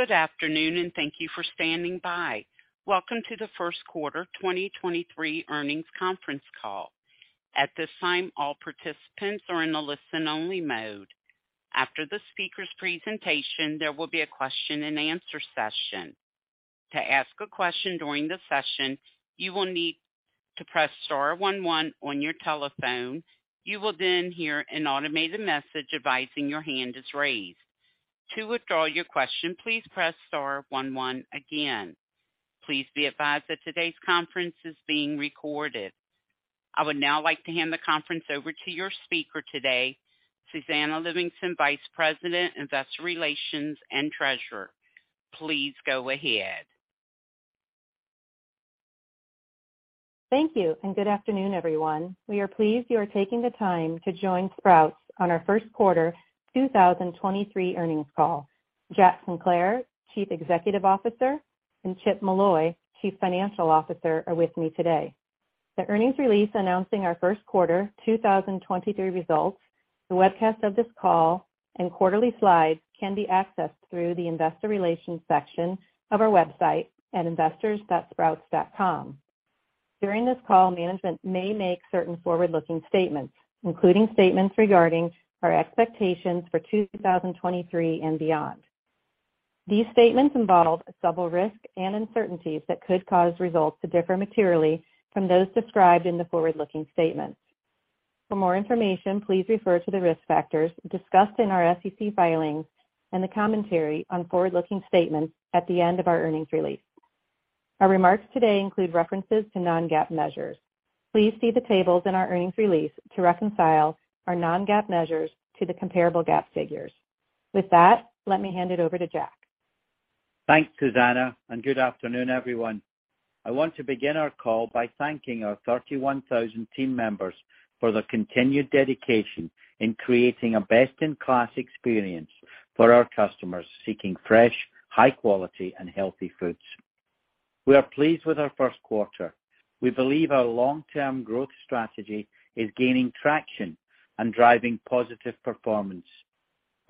Good afternoon. Thank you for standing by. Welcome to the first quarter 2023 earnings conference call. At this time, all participants are in a listen-only mode. After the speaker's presentation, there will be a question-and-answer session. To ask a question during the session, you will need to press star one one on your telephone. You will hear an automated message advising your hand is raised. To withdraw your question, please press star one one again. Please be advised that today's conference is being recorded. I would now like to hand the conference over to your speaker today, Susannah Livingston, Vice President, Investor Relations and Treasurer. Please go ahead. Thank you, and good afternoon, everyone. We are pleased you are taking the time to join Sprouts on our first quarter 2023 earnings call. Jack Sinclair, Chief Executive Officer, and Chip Molloy, Chief Financial Officer, are with me today. The earnings release announcing our first quarter 2023 results, the webcast of this call, and quarterly slides can be accessed through the investor relations section of our website at investors.sprouts.com. During this call, management may make certain forward-looking statements, including statements regarding our expectations for 2023 and beyond. These statements involve several risks and uncertainties that could cause results to differ materially from those described in the forward-looking statements. For more information, please refer to the risk factors discussed in our SEC filings and the commentary on forward-looking statements at the end of our earnings release. Our remarks today include references to non-GAAP measures. Please see the tables in our earnings release to reconcile our non-GAAP measures to the comparable GAAP figures. With that, let me hand it over to Jack. Thanks, Susanna, good afternoon, everyone. I want to begin our call by thanking our 31,000 team members for their continued dedication in creating a best-in-class experience for our customers seeking fresh, high quality, and healthy foods. We are pleased with our first quarter. We believe our long-term growth strategy is gaining traction and driving positive performance.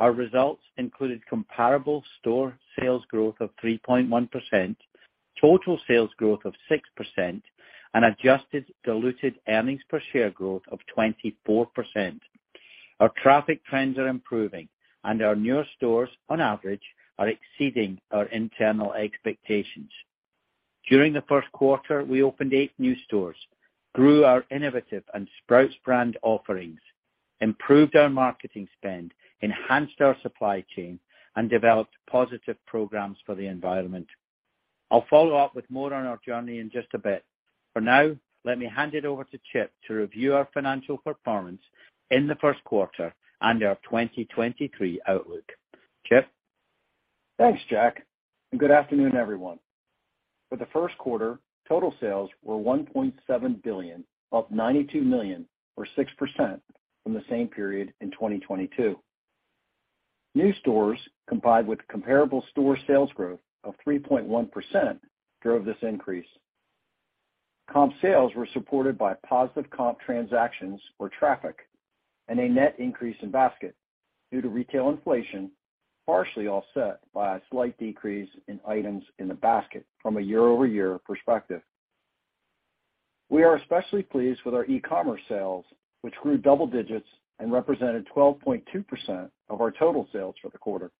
Our results included comparable store sales growth of 3.1%, total sales growth of 6%, and adjusted diluted earnings per share growth of 24%. Our traffic trends are improving, and our newer stores on average are exceeding our internal expectations. During the first quarter, we opened eight new stores, grew our innovative and Sprouts brand offerings, improved our marketing spend, enhanced our supply chain, and developed positive programs for the environment. I'll follow up with more on our journey in just a bit. For now, let me hand it over to Chip to review our financial performance in the first quarter and our 2023 outlook. Chip? Thanks, Jack. Good afternoon, everyone. For the first quarter, total sales were $1.7 billion, up $92 million or 6% from the same period in 2022. New stores, combined with comparable store sales growth of 3.1%, drove this increase. Comp sales were supported by positive comp transactions or traffic and a net increase in basket due to retail inflation, partially offset by a slight decrease in items in the basket from a year-over-year perspective. We are especially pleased with our e-commerce sales, which grew double digits and represented 12.2% of our total sales for the quarter.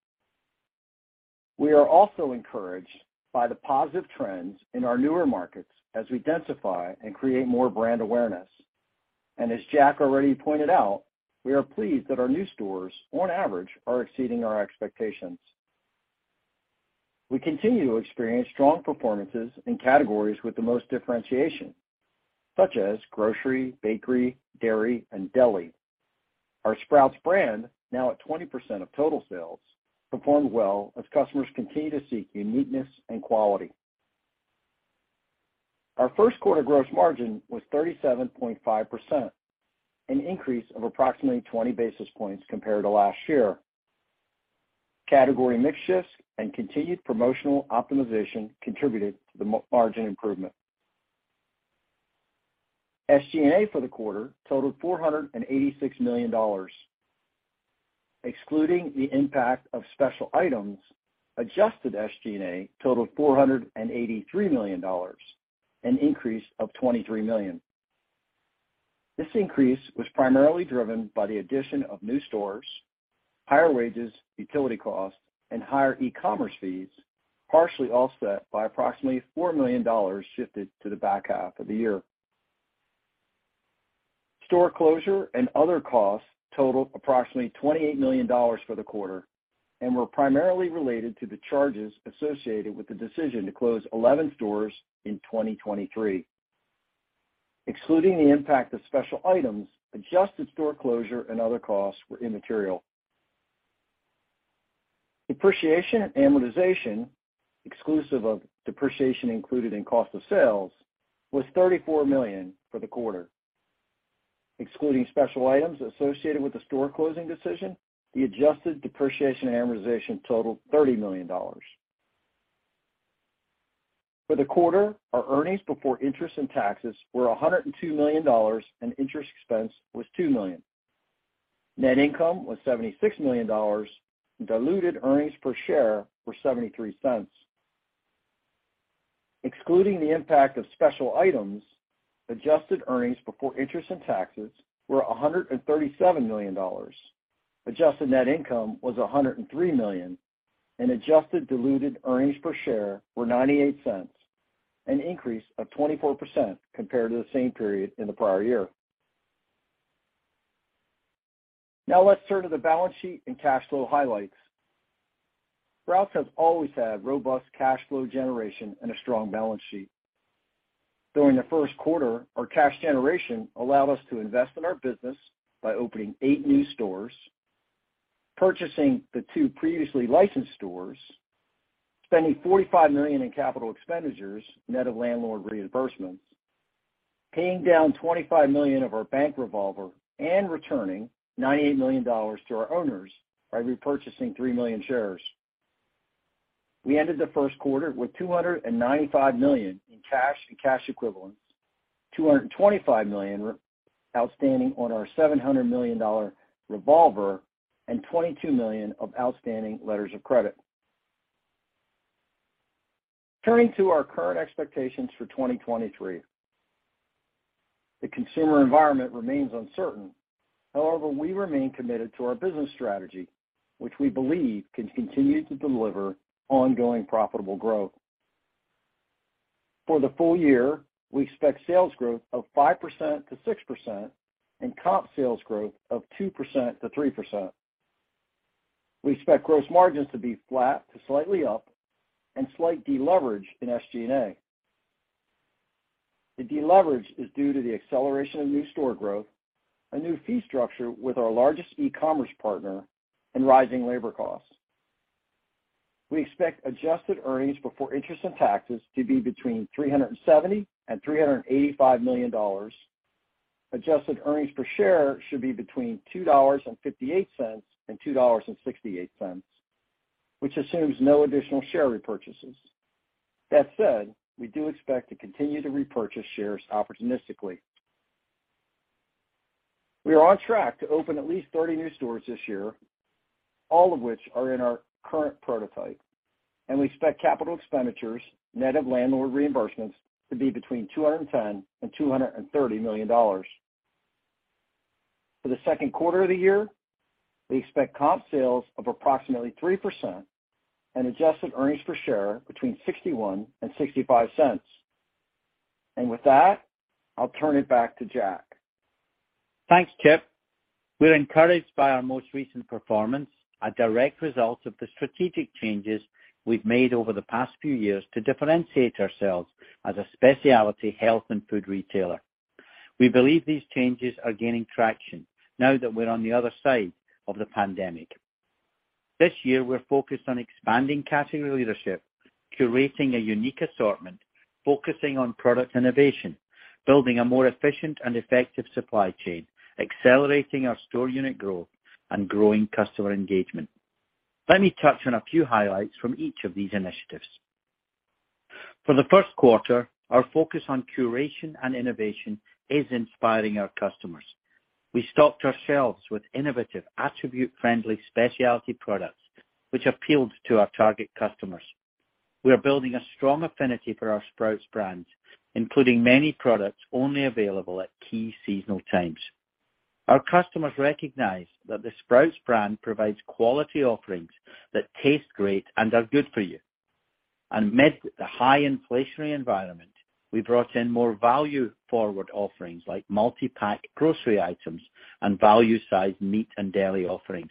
We are also encouraged by the positive trends in our newer markets as we densify and create more brand awareness. As Jack already pointed out, we are pleased that our new stores on average are exceeding our expectations. We continue to experience strong performances in categories with the most differentiation, such as grocery, bakery, dairy, and deli. Our Sprouts brand, now at 20% of total sales, performed well as customers continue to seek uniqueness and quality. Our first quarter gross margin was 37.5%, an increase of approximately 20 basis points compared to last year. Category mix shifts and continued promotional optimization contributed to the margin improvement. SG&A for the quarter totaled $486 million. Excluding the impact of special items, adjusted SG&A totaled $483 million, an increase of $23 million. This increase was primarily driven by the addition of new stores, higher wages, utility costs, and higher e-commerce fees, partially offset by approximately $4 million shifted to the back half of the year. Store closure and other costs totaled approximately $28 million for the quarter and were primarily related to the charges associated with the decision to close 11 stores in 2023. Excluding the impact of special items, adjusted store closure and other costs were immaterial. Depreciation and amortization, exclusive of depreciation included in cost of sales, was $34 million for the quarter. Excluding special items associated with the store closing decision, the adjusted depreciation and amortization totaled $30 million. For the quarter, our earnings before interest and taxes were $102 million and interest expense was $2 million. Net income was $76 million. Diluted earnings per share were $0.73. Excluding the impact of special items, adjusted earnings before interest and taxes were $137 million. Adjusted net income was $103 million, and adjusted diluted earnings per share were $0.98, an increase of 24% compared to the same period in the prior year. Now let's turn to the balance sheet and cash flow highlights. Sprouts has always had robust cash flow generation and a strong balance sheet. During the first quarter, our cash generation allowed us to invest in our business by opening eight new stores, purchasing the two previously licensed stores, spending $45 million in capital expenditures net of landlord reimbursements, paying down $25 million of our bank revolver and returning $98 million to our owners by repurchasing three million shares. We ended the first quarter with $295 million in cash and cash equivalents, $225 million outstanding on our $700 million revolver, and $22 million of outstanding letters of credit. Turning to our current expectations for 2023. The consumer environment remains uncertain. However, we remain committed to our business strategy, which we believe can continue to deliver ongoing profitable growth. For the full year, we expect sales growth of 5%-6% and comp sales growth of 2%-3%. We expect gross margins to be flat to slightly up and slight deleverage in SG&A. The deleverage is due to the acceleration of new store growth, a new fee structure with our largest e-commerce partner and rising labor costs. We expect adjusted earnings before interest and taxes to be between $370 million and $385 million. Adjusted earnings per share should be between $2.58 and $2.68, which assumes no additional share repurchases. That said, we do expect to continue to repurchase shares opportunistically. We are on track to open at least 30 new stores this year, all of which are in our current prototype, and we expect capital expenditures net of landlord reimbursements to be between $210 million and $230 million. For the second quarter of the year, we expect comp sales of approximately 3% and adjusted earnings per share between $0.61 and $0.65. With that, I'll turn it back to Jack. Thanks, Chip. We're encouraged by our most recent performance, a direct result of the strategic changes we've made over the past few years to differentiate ourselves as a specialty health and food retailer. We believe these changes are gaining traction now that we're on the other side of the pandemic. This year, we're focused on expanding category leadership, curating a unique assortment, focusing on product innovation, building a more efficient and effective supply chain, accelerating our store unit growth, and growing customer engagement. Let me touch on a few highlights from each of these initiatives. For the first quarter, our focus on curation and innovation is inspiring our customers. We stocked ourselves with innovative attribute friendly specialty products which appealed to our target customers. We are building a strong affinity for our Sprouts brands, including many products only available at key seasonal times. Our customers recognize that the Sprouts brand provides quality offerings that taste great and are good for you. Amid the high inflationary environment, we brought in more value forward offerings like multi-pack grocery items and value size meat and dairy offerings,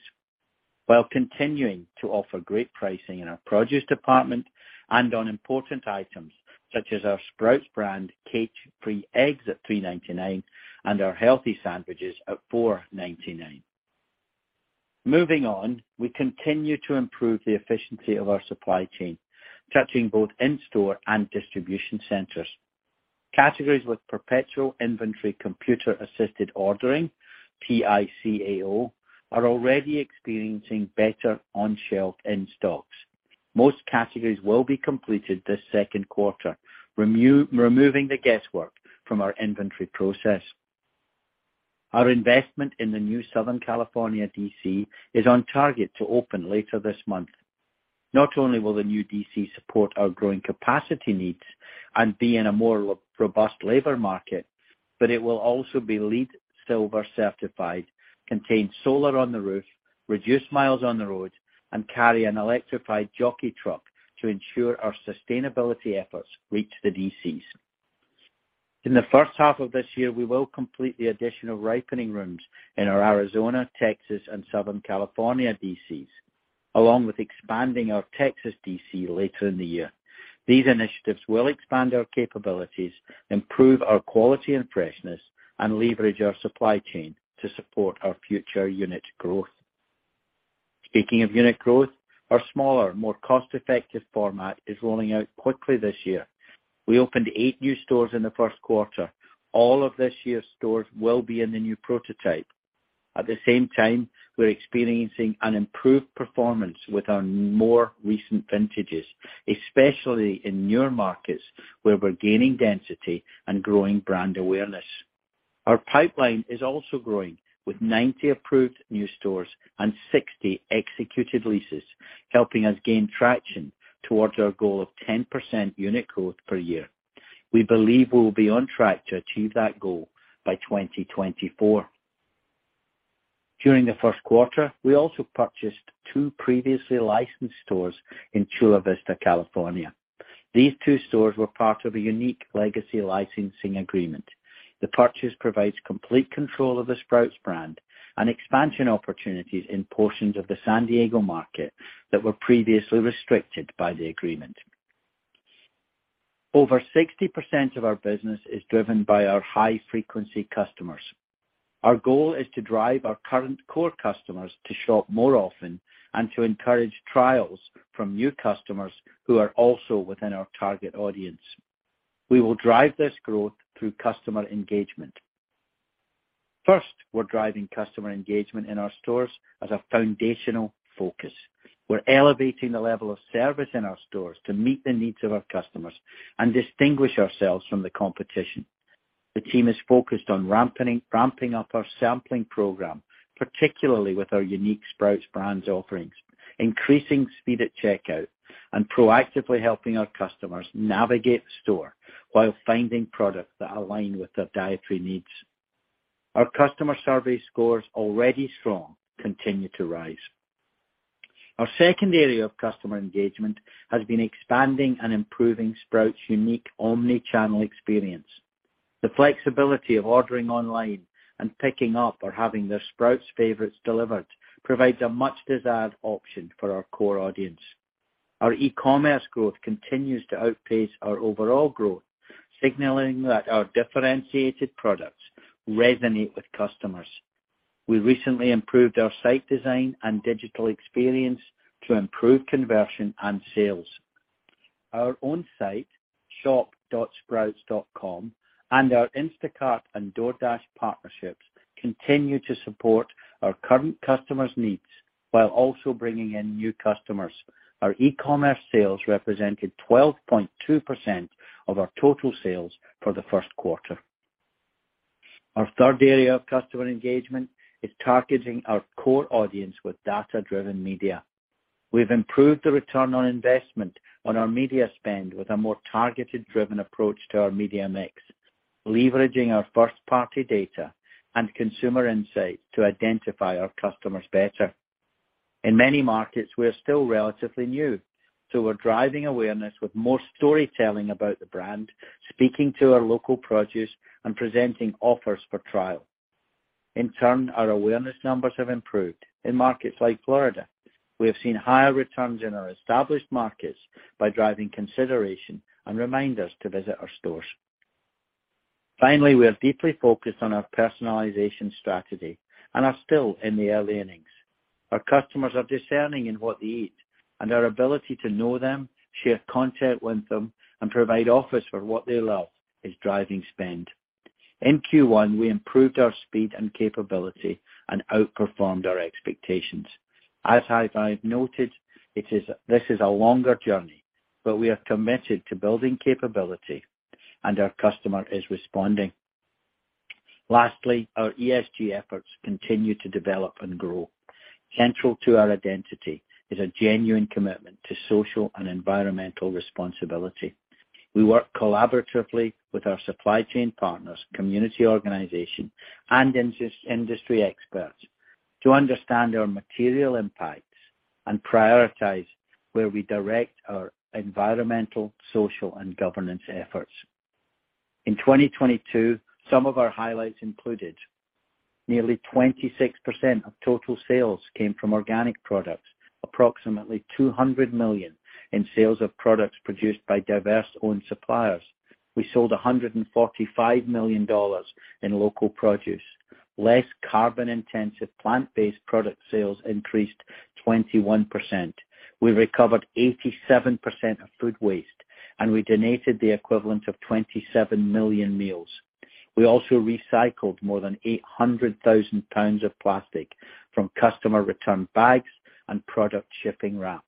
while continuing to offer great pricing in our produce department and on important items such as our Sprouts brand, cage-free eggs at $3.99 and our healthy sandwiches at $4.99. Moving on, we continue to improve the efficiency of our supply chain, touching both in-store and distribution centers. Categories with perpetual inventory computer-assisted ordering, PICAO, are already experiencing better on shelf in stocks. Most categories will be completed this second quarter, removing the guesswork from our inventory process. Our investment in the new Southern California DC is on target to open later this month. Not only will the new DC support our growing capacity needs and be in a more robust labor market, but it will also be LEED Silver certified, contain solar on the roof, reduce miles on the road, and carry an electrified jockey truck to ensure our sustainability efforts reach the DCs. In the first half of this year, we will complete the additional ripening rooms in our Arizona, Texas and Southern California DCs, along with expanding our Texas DC later in the year. These initiatives will expand our capabilities, improve our quality and freshness, and leverage our supply chain to support our future unit growth. Speaking of unit growth, our smaller, more cost-effective format is rolling out quickly this year. We opened eight new stores in the first quarter. All of this year's stores will be in the new prototype. At the same time, we're experiencing an improved performance with our more recent vintages, especially in newer markets where we're gaining density and growing brand awareness. Our pipeline is also growing with 90 approved new stores and 60 executed leases, helping us gain traction towards our goal of 10% unit growth per year. We believe we will be on track to achieve that goal by 2024. During the first quarter, we also purchased two previously licensed stores in Chula Vista, California. These two stores were part of a unique legacy licensing agreement. The purchase provides complete control of the Sprouts brand and expansion opportunities in portions of the San Diego market that were previously restricted by the agreement. Over 60% of our business is driven by our high-frequency customers. Our goal is to drive our current core customers to shop more often and to encourage trials from new customers who are also within our target audience. We will drive this growth through customer engagement. First, we're driving customer engagement in our stores as a foundational focus. We're elevating the level of service in our stores to meet the needs of our customers and distinguish ourselves from the competition. The team is focused on ramping up our sampling program, particularly with our unique Sprouts brand offerings, increasing speed at checkout, and proactively helping our customers navigate the store while finding products that align with their dietary needs. Our customer survey scores, already strong, continue to rise. Our second area of customer engagement has been expanding and improving Sprouts' unique omnichannel experience. The flexibility of ordering online and picking up or having their Sprouts favorites delivered provides a much-desired option for our core audience. Our e-commerce growth continues to outpace our overall growth, signaling that our differentiated products resonate with customers. We recently improved our site design and digital experience to improve conversion and sales. Our own site, shop.sprouts.com, and our Instacart and DoorDash partnerships continue to support our current customers' needs while also bringing in new customers. Our e-commerce sales represented 12.2% of our total sales for the first quarter. Our third area of customer engagement is targeting our core audience with data-driven media. We've improved the return on investment on our media spend with a more targeted, driven approach to our media mix, leveraging our first-party data and consumer insight to identify our customers better. In many markets, we're still relatively new, so we're driving awareness with more storytelling about the brand, speaking to our local produce, and presenting offers for trial. In turn, our awareness numbers have improved in markets like Florida. We have seen higher returns in our established markets by driving consideration and reminders to visit our stores. Finally, we are deeply focused on our personalization strategy and are still in the early innings. Our customers are discerning in what they eat, and our ability to know them, share content with them, and provide offers for what they love is driving spend. In Q1, we improved our speed and capability and outperformed our expectations. As I've noted, this is a longer journey, but we are committed to building capability, and our customer is responding. Lastly, our ESG efforts continue to develop and grow. Central to our identity is a genuine commitment to social and environmental responsibility. We work collaboratively with our supply chain partners, community organization, and industry experts to understand our material impacts and prioritize where we direct our environmental, social, and governance efforts. In 2022, some of our highlights included nearly 26% of total sales came from organic products. Approximately $200 million in sales of products produced by diverse-owned suppliers. We sold $145 million in local produce. Less carbon-intensive plant-based product sales increased 21%. We recovered 87% of food waste, and we donated the equivalent of 27 million meals. We also recycled more than 800,000 lbs of plastic from customer returned bags and product shipping wrap.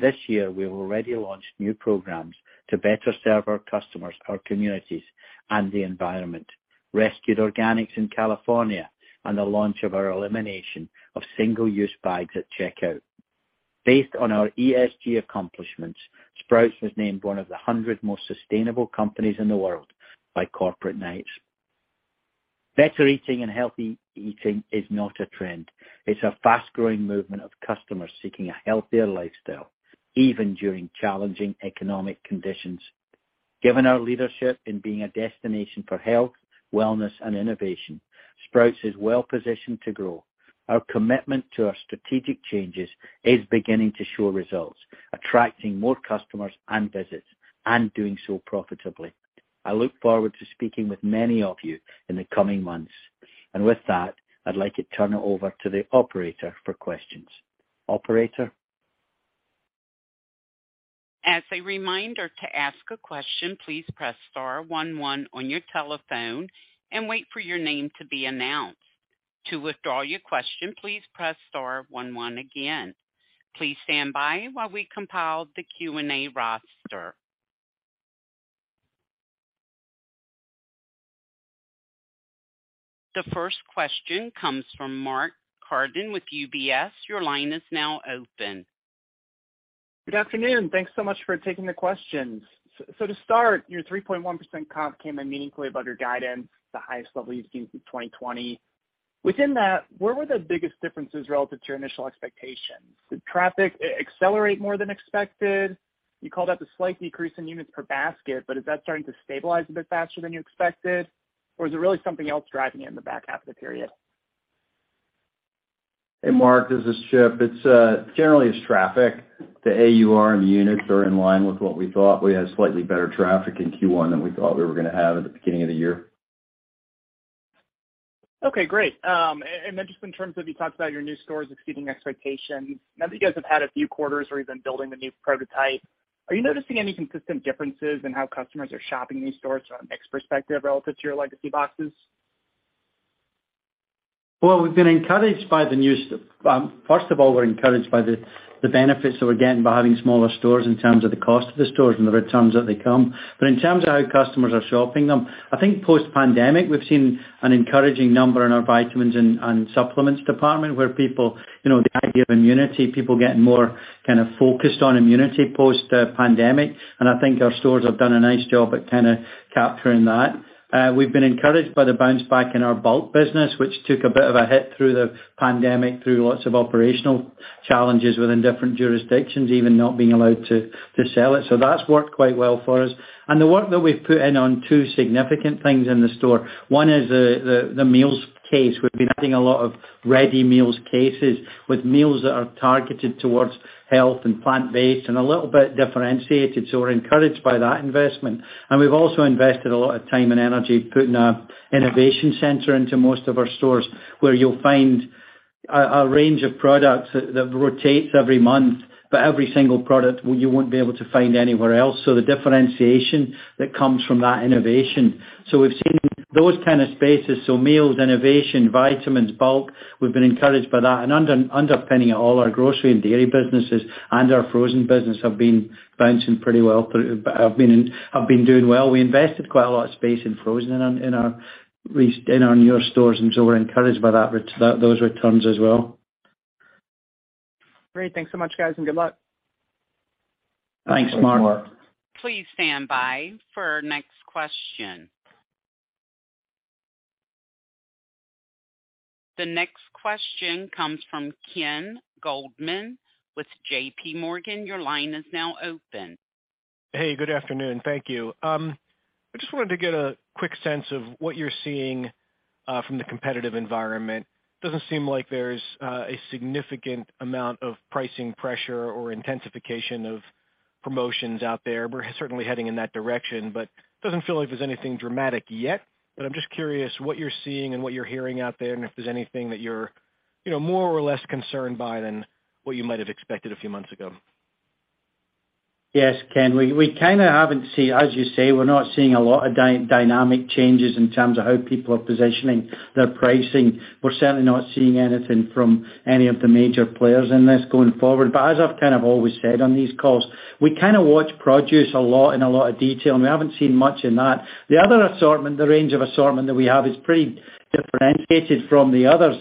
This year, we've already launched new programs to better serve our customers, our communities, and the environment, rescued organics in California, and the launch of our elimination of single-use bags at checkout. Based on our ESG accomplishments, Sprouts was named one of the 100 most sustainable companies in the world by Corporate Knights. Better eating and healthy eating is not a trend. It's a fast-growing movement of customers seeking a healthier lifestyle, even during challenging economic conditions. Given our leadership in being a destination for health, wellness, and innovation, Sprouts is well-positioned to grow. Our commitment to our strategic changes is beginning to show results, attracting more customers and visits, and doing so profitably. I look forward to speaking with many of you in the coming months. With that, I'd like to turn it over to the operator for questions. Operator? As a reminder, to ask a question, please press star one one on your telephone and wait for your name to be announced. To withdraw your question, please press star one one again. Please stand by while we compile the Q&A roster. The first question comes from Mark Carden with UBS. Your line is now open. Good afternoon. Thanks so much for taking the questions. To start, your 3.1% comp came in meaningfully above your guidance, the highest level you've seen since 2020. Within that, where were the biggest differences relative to your initial expectations? Did traffic accelerate more than expected? You called out the slight decrease in units per basket, is that starting to stabilize a bit faster than you expected, or is it really something else driving it in the back half of the period? Hey, Mark, this is Chip. It's generally it's traffic. The AUR and the units are in line with what we thought. We had slightly better traffic in Q1 than we thought we were gonna have at the beginning of the year. Okay, great. Then just in terms of, you talked about your new stores exceeding expectations. Now that you guys have had a few quarters where you've been building the new prototype, are you noticing any consistent differences in how customers are shopping in these stores from a mix perspective relative to your legacy boxes? We've been encouraged by the new, first of all, we're encouraged by the benefits that we're getting by having smaller stores in terms of the cost of the stores and the returns that they come. In terms of how customers are shopping them, I think post-pandemic, we've seen an encouraging number in our vitamins and supplements department, where people, you know, the idea of immunity, people getting more kind of focused on immunity post the pandemic. I think our stores have done a nice job at kinda capturing that. We've been encouraged by the bounce back in our bulk business, which took a bit of a hit through the pandemic, through lots of operational challenges within different jurisdictions, even not being allowed to sell it. That's worked quite well for us. The work that we've put in on two significant things in the store. One is the meals case. We've been adding a lot of ready meals cases with meals that are targeted towards health and plant-based and a little bit differentiated, so we're encouraged by that investment. We've also invested a lot of time and energy putting an innovation center into most of our stores, where you'll find a range of products that rotates every month, but every single product, well, you won't be able to find anywhere else, so the differentiation that comes from that innovation. We've seen those kind of spaces, so meals, innovation, vitamins, bulk, we've been encouraged by that. Underpinning it all, our grocery and dairy businesses and our frozen business have been bouncing pretty well, but have been doing well. We invested quite a lot of space in frozen in our newer stores. We're encouraged by that, those returns as well. Great. Thanks so much, guys, and good luck. Thanks, Mark. Thanks, Mark. Please stand by for our next question. The next question comes from Ken Goldman with JPMorgan. Your line is now open. Hey, good afternoon. Thank you. I just wanted to get a quick sense of what you're seeing from the competitive environment. Doesn't seem like there's a significant amount of pricing pressure or intensification of promotions out there. We're certainly heading in that direction, but doesn't feel like there's anything dramatic yet. I'm just curious what you're seeing and what you're hearing out there, and if there's anything that you're more or less concerned by than what you might have expected a few months ago. Yes, Ken, we kinda haven't as you say, we're not seeing a lot of dynamic changes in terms of how people are positioning their pricing. We're certainly not seeing anything from any of the major players in this going forward. As I've kind of always said on these calls, we kinda watch produce a lot in a lot of detail, and we haven't seen much in that. The other assortment, the range of assortment that we have is pretty differentiated from the others.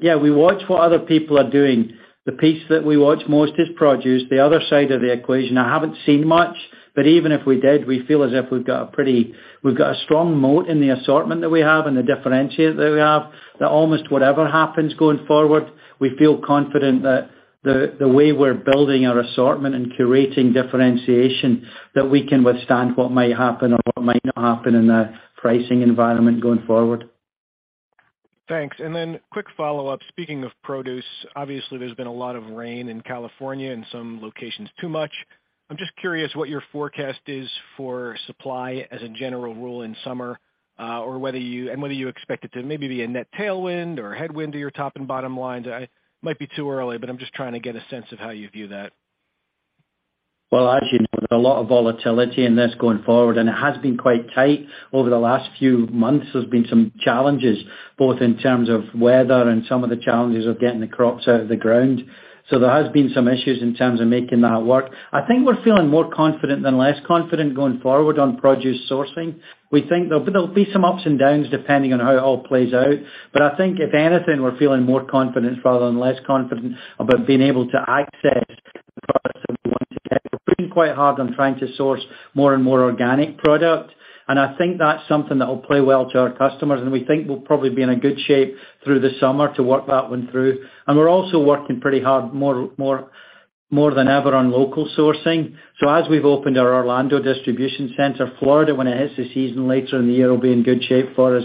Yeah, we watch what other people are doing. The piece that we watch most is produce. The other side of the equation, I haven't seen much, but even if we did, we feel as if we've got a pretty we've got a strong moat in the assortment that we have and the differentiate that we have, that almost whatever happens going forward, we feel confident that the way we're building our assortment and curating differentiation, that we can withstand what might happen or what might not happen in the pricing environment going forward. Thanks. Quick follow-up. Speaking of produce, obviously, there's been a lot of rain in California, in some locations, too much. I'm just curious what your forecast is for supply as a general rule in summer, or whether you expect it to maybe be a net tailwind or a headwind to your top and bottom lines. I might be too early, but I'm just trying to get a sense of how you view that. As you know, there's a lot of volatility in this going forward, and it has been quite tight over the last few months. There's been some challenges, both in terms of weather and some of the challenges of getting the crops out of the ground. There has been some issues in terms of making that work. I think we're feeling more confident than less confident going forward on produce sourcing. We think there'll be some ups and downs depending on how it all plays out. I think if anything, we're feeling more confident rather than less confident about being able to access the products that we want to get. We're working quite hard on trying to source more and more organic product, and I think that's something that will play well to our customers, and we think we'll probably be in a good shape through the summer to work that one through. We're also working pretty hard, more than ever on local sourcing. As we've opened our Orlando distribution center, Florida, when it hits the season later in the year, will be in good shape for us.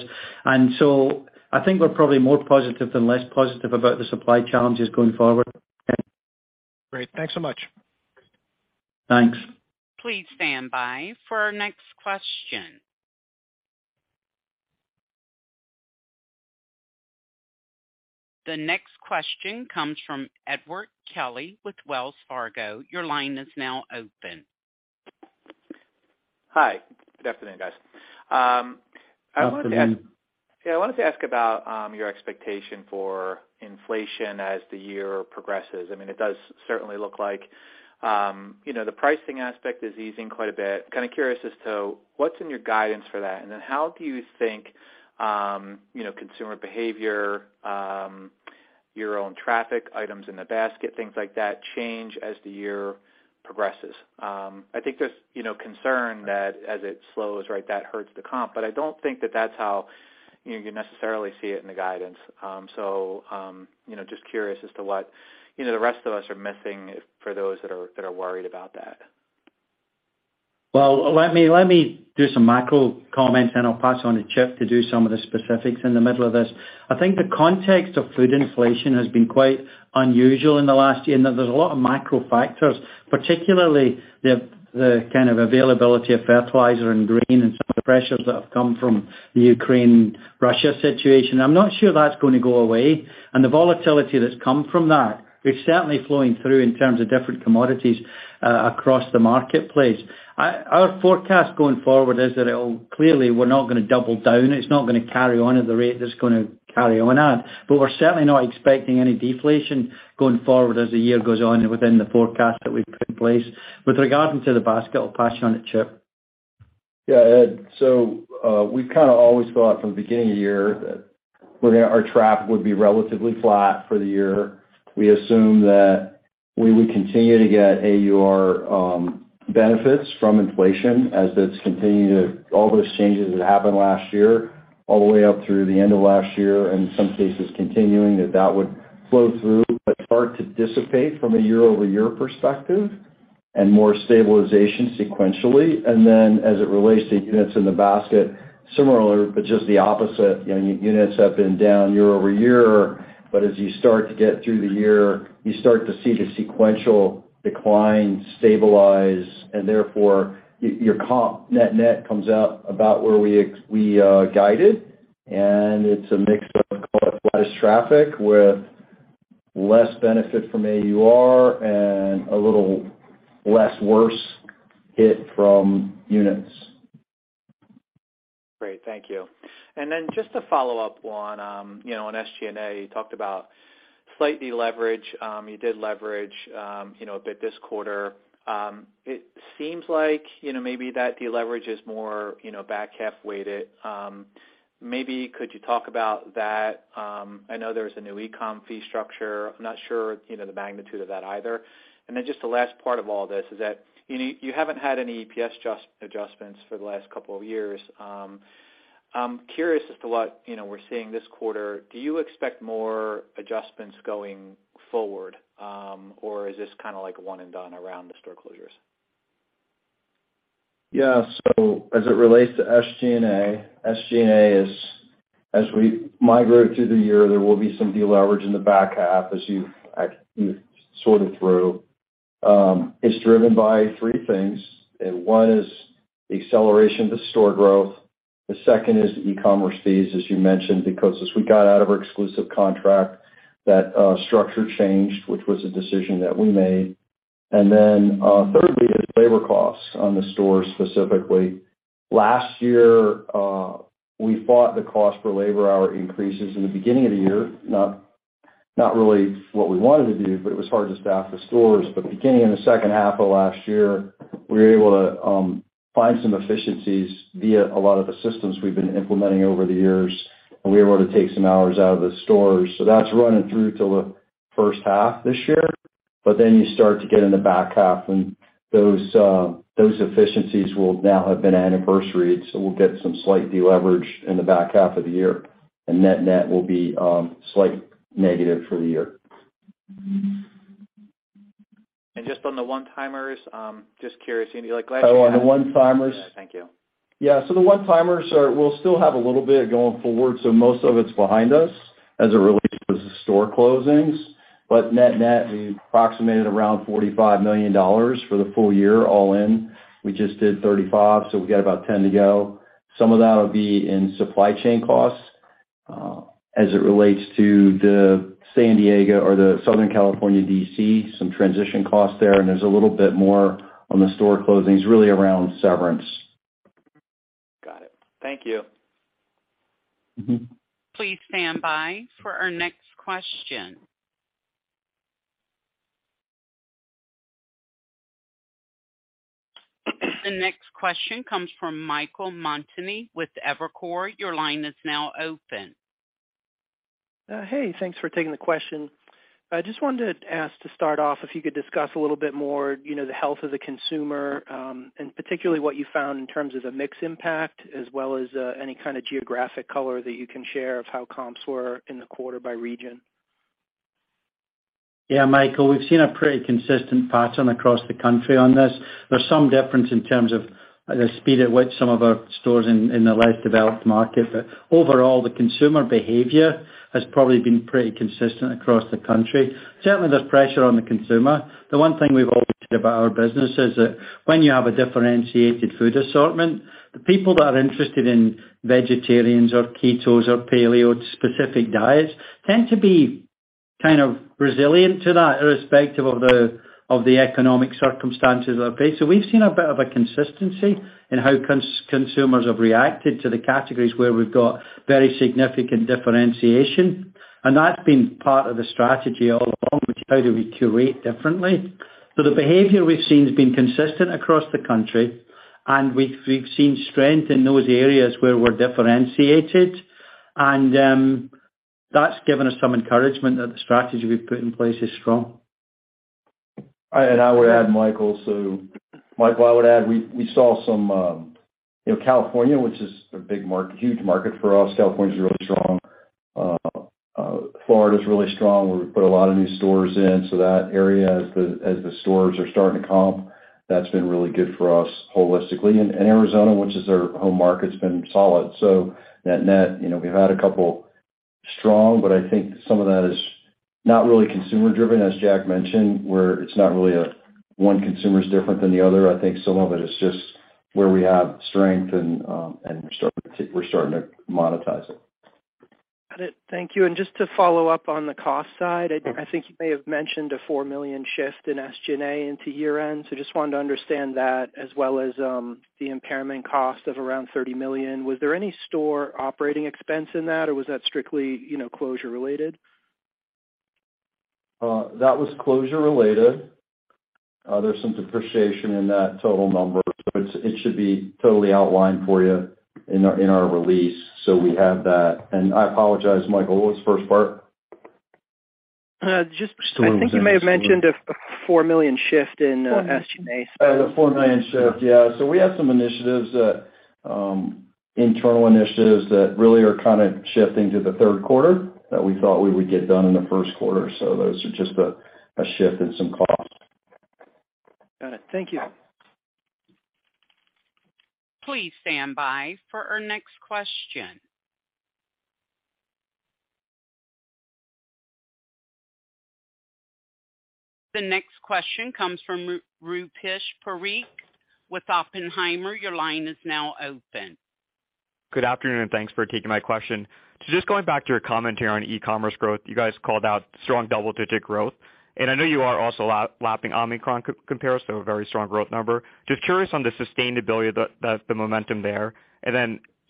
I think we're probably more positive than less positive about the supply challenges going forward. Great. Thanks so much. Thanks. Please stand by for our next question. The next question comes from Edward Kelly with Wells Fargo. Your line is now open. Hi, good afternoon, guys. Good afternoon. I wanted to ask about your expectation for inflation as the year progresses. I mean, it does certainly look like, you know, the pricing aspect is easing quite a bit. Kinda curious as to what's in your guidance for that and then how do you think, you know, consumer behavior, your own traffic items in the basket, things like that change as the year progresses. I think there's, you know, concern that as it slows, right, that hurts the comp. I don't think that that's how you necessarily see it in the guidance. Just curious as to what, you know, the rest of us are missing for those that are worried about that? Well, let me do some macro comments, and I'll pass on to Chip to do some of the specifics in the middle of this. I think the context of food inflation has been quite unusual in the last year, and there's a lot of macro factors, particularly the kind of availability of fertilizer and grain and some of the pressures that have come from the Ukraine-Russia situation. I'm not sure that's gonna go away. The volatility that's come from that is certainly flowing through in terms of different commodities across the marketplace. Our forecast going forward is that it'll. Clearly, we're not gonna double down. It's not gonna carry on at the rate that's gonna carry on at. We're certainly not expecting any deflation going forward as the year goes on within the forecast that we've put in place. With regarding to the basket, I'll pass you on to Chip. Yeah, Ed. We've kinda always thought from the beginning of the year that our traffic would be relatively flat for the year. We assume that we would continue to get AUR benefits from inflation. All those changes that happened last year, all the way up through the end of last year, and in some cases continuing, that would flow through, but start to dissipate from a year-over-year perspective and more stabilization sequentially. As it relates to units in the basket, similarly, but just the opposite, you know, units have been down year-over-year. As you start to get through the year, you start to see the sequential decline stabilize, and therefore your comp net-net comes out about where we guided. It's a mix of flat-ish traffic with less benefit from AUR and a little less worse hit from units. Great. Thank you. Just to follow up on, you know, on SG&A, you talked about slight deleverage. You did leverage, you know, a bit this quarter. It seems like, you know, maybe that deleverage is more, you know, back-half weighted. Maybe could you talk about that? I know there's a new e-com fee structure. I'm not sure, you know, the magnitude of that either. Just the last part of all this is that, you know, you haven't had any EPS adjustments for the last couple of years. I'm curious as to what, you know, we're seeing this quarter. Do you expect more adjustments going forward, or is this kinda like one and done around the store closures? As it relates to SG&A, SG&A is, as we migrate through the year, there will be some deleverage in the back half as you've sorted through. It's driven by three things. One is the acceleration of the store growth. The second is the e-commerce fees, as you mentioned, because as we got out of our exclusive contract, that structure changed, which was a decision that we made. Thirdly, is labor costs on the stores specifically. Last year, we fought the cost per labor hour increases in the beginning of the year, not really what we wanted to do, but it was hard to staff the stores. Beginning in the second half of last year, we were able to find some efficiencies via a lot of the systems we've been implementing over the years, and we were able to take some hours out of the stores. That's running through to the first half this year. You start to get in the back half, and those efficiencies will now have been anniversaried, so we'll get some slight deleverage in the back half of the year. Net-net will be slightly negative for the year. just on the one-timers, just curious, you know, like last year? Oh, on the one-timers? Yeah. Thank you. The one-timers are. We'll still have a little bit going forward. Most of it's behind us as it relates to the store closings. Net-net, we approximated around $45 million for the full-year all in. We just did $35 million. We got about $10 million to go. Some of that'll be in supply chain costs, as it relates to the San Diego or the Southern California DC, some transition costs there, and there's a little bit more on the store closings, really around severance. Got it. Thank you. Mm-hmm. Please stand by for our next question. The next question comes from Michael Montani with Evercore. Your line is now open. Hey, thanks for taking the question. I just wanted to ask to start off if you could discuss a little bit more, you know, the health of the consumer, and particularly what you found in terms of the mix impact, as well as, any kinda geographic color that you can share of how comps were in the quarter by region. Michael, we've seen a pretty consistent pattern across the country on this. There's some difference in terms of the speed at which some of our stores in the less developed market. Overall, the consumer behavior has probably been pretty consistent across the country. Certainly, there's pressure on the consumer. The one thing we've always said about our business is that when you have a differentiated food assortment, the people that are interested in vegetarians or ketos or paleo, specific diets tend to be kind of resilient to that irrespective of the economic circumstances are based. We've seen a bit of a consistency in how consumers have reacted to the categories where we've got very significant differentiation. That's been part of the strategy all along, which how do we curate differently? The behavior we've seen has been consistent across the country, and we've seen strength in those areas where we're differentiated. That's given us some encouragement that the strategy we've put in place is strong. I would add, Michael. Michael, I would add, we saw some, you know, California, which is a big market, huge market for us. California's really strong. Florida's really strong. We've put a lot of new stores in, so that area as the stores are starting to comp, that's been really good for us holistically. Arizona, which is our home market, has been solid. Net-net, you know, we've had a couple strong, but I think some of that is not really consumer driven, as Jack mentioned, where it's not really a one consumer's different than the other. I think some of it is just where we have strength and we're starting to monetize it. Got it. Thank you. Just to follow up on the cost side, I think you may have mentioned a $4 million shift in SG&A into year-end. Just wanted to understand that as well as the impairment cost of around $30 million. Was there any store operating expense in that, or was that strictly, you know, closure related? That was closure related. There's some depreciation in that total number, so it's, it should be totally outlined for you in our, in our release. We have that. I apologize, Michael, what was the first part? Just I think you may have mentioned a $4 million shift in SG&A. The $4 million shift. Yeah. We have some initiatives that, internal initiatives that really are kind of shifting to the third quarter that we thought we would get done in the first quarter. Those are just a shift in some costs. Got it. Thank you. Please stand by for our next question. The next question comes from Rupesh Parikh with Oppenheimer. Your line is now open. Good afternoon, and thanks for taking my question. Just going back to your commentary on e-commerce growth, you guys called out strong double-digit growth, and I know you are also lapping omnichannel comparisons to a very strong growth number. Just curious on the sustainability of the momentum there.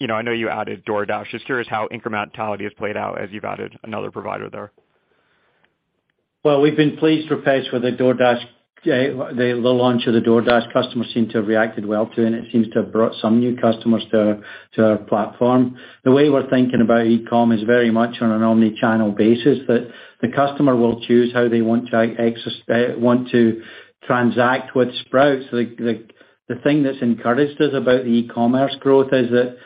You know, I know you added DoorDash. Just curious how incrementality has played out as you've added another provider there. Well, we've been pleased, Rupesh, with the DoorDash, the launch of the DoorDash. Customers seem to have reacted well to, and it seems to have brought some new customers to our platform. The way we're thinking about e-com is very much on an omni-channel basis, that the customer will choose how they want to transact with Sprouts. The thing that's encouraged us about the e-commerce growth is that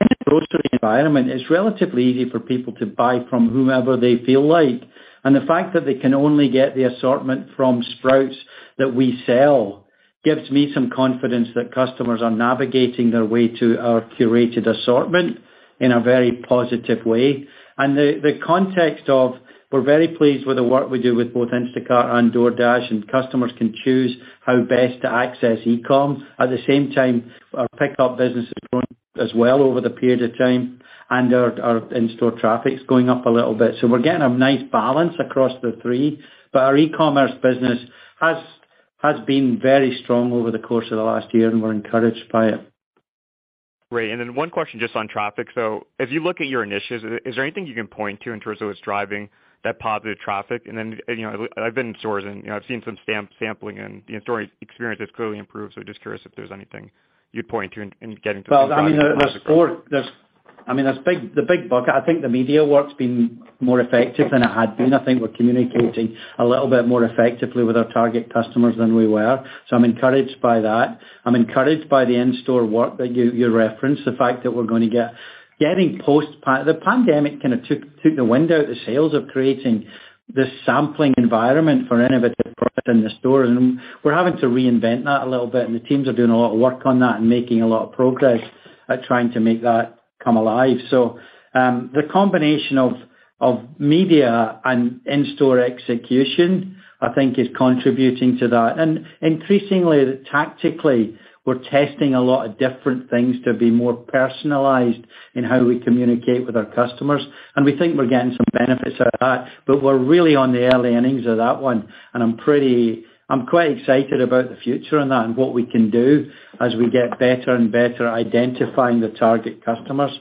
in a grocery environment, it's relatively easy for people to buy from whomever they feel like. The fact that they can only get the assortment from Sprouts that we sell gives me some confidence that customers are navigating their way to our curated assortment in a very positive way. The context of we're very pleased with the work we do with both Instacart and DoorDash, customers can choose how best to access e-com. At the same time, our pick-up business is going as well over the period of time, in-store traffic's going up a little bit. We're getting a nice balance across the three. Our e-commerce business has been very strong over the course of the last year, and we're encouraged by it. Great. One question just on traffic. As you look at your initiatives, is there anything you can point to in terms of what's driving that positive traffic? You know, I've been in stores and, you know, I've seen some sampling and, you know, store experience has clearly improved. Just curious if there's anything you'd point to in getting to- Well, I mean, there's four... I mean, there's big, the big bucket, I think the media work's been more effective than it had been. I think we're communicating a little bit more effectively with our target customers than we were. I'm encouraged by that. I'm encouraged by the in-store work that you referenced, the fact that we're getting post- The pandemic kind of took the window out the sales of creating this sampling environment for innovative products in the stores, and we're having to reinvent that a little bit. The teams are doing a lot of work on that and making a lot of progress at trying to make that come alive. The combination of media and in-store execution, I think is contributing to that. Increasingly, tactically, we're testing a lot of different things to be more personalized in how we communicate with our customers, and we think we're getting some benefits out of that. We're really on the early innings of that one, and I'm quite excited about the future on that and what we can do as we get better and better identifying the target customers.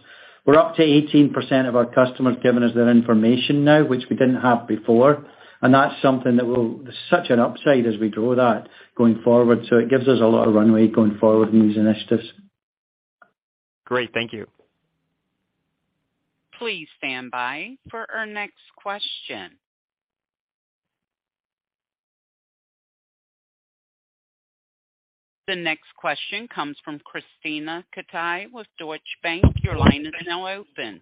We're up to 18% of our customers giving us their information now, which we didn't have before, and that's something that will. There's such an upside as we grow that going forward. It gives us a lot of runway going forward in these initiatives. Great. Thank you. Please stand by for our next question. The next question comes from Krisztina Katai with Deutsche Bank. Your line is now open.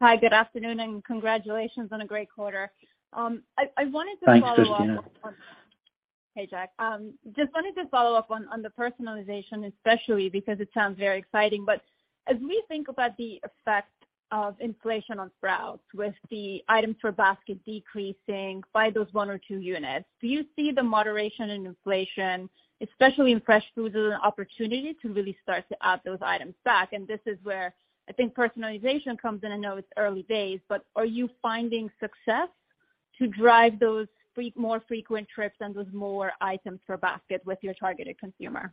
Hi, good afternoon, and congratulations on a great quarter. I wanted to follow up. Thanks, Krisztina. Hey, Jack. Just wanted to follow up on the personalization, especially because it sounds very exciting. As we think about the effect of inflation on Sprouts with the items per basket decreasing by those one or two units, do you see the moderation in inflation, especially in fresh foods, as an opportunity to really start to add those items back? This is where I think personalization comes in. I know it's early days, but are you finding success to drive those more frequent trips and those more items per basket with your targeted consumer?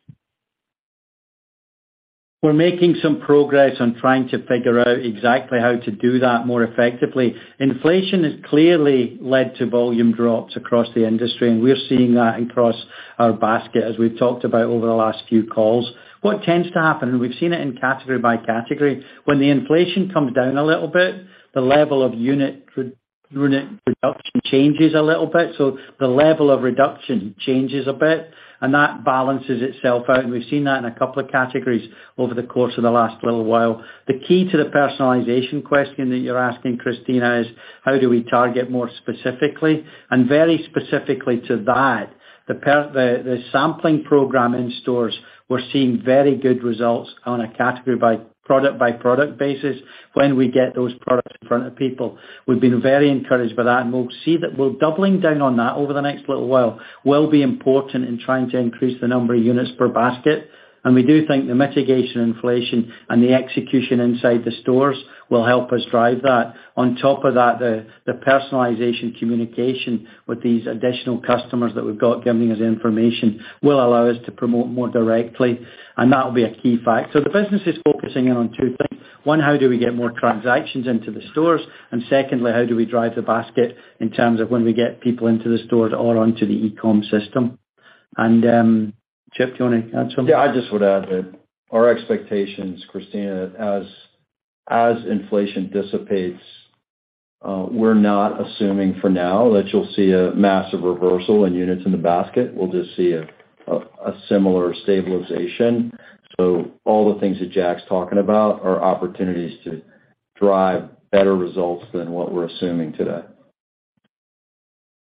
We're making some progress on trying to figure out exactly how to do that more effectively. Inflation has clearly led to volume drops across the industry, and we're seeing that across our basket as we've talked about over the last few calls. What tends to happen, and we've seen it in category by category, when the inflation comes down a little bit, the level of unit production changes a little bit. The level of reduction changes a bit, and that balances itself out. We've seen that in a couple of categories over the course of the last little while. The key to the personalization question that you're asking, Krisztina, is how do we target more specifically and very specifically to that, the sampling program in stores, we're seeing very good results on a category by, product by product basis when we get those products in front of people. We've been very encouraged by that, and we'll see that we're doubling down on that over the next little while will be important in trying to increase the number of units per basket. We do think the mitigation inflation and the execution inside the stores will help us drive that. On top of that, the personalization communication with these additional customers that we've got giving us information will allow us to promote more directly, and that will be a key factor. The business is focusing in on two things. One, how do we get more transactions into the stores? Secondly, how do we drive the basket in terms of when we get people into the stores or onto the e-com system? Chip, do you wanna add something? I just would add that our expectations, Krisztina, as inflation dissipates, we're not assuming for now that you'll see a massive reversal in units in the basket. We'll just see a similar stabilization. All the things that Jack's talking about are opportunities to drive better results than what we're assuming today.